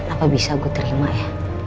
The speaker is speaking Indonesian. apa bisa gue terima ya